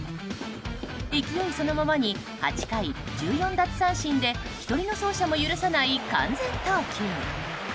勢いそのままに８回１４奪三振で１人の走者も許さない完全投球。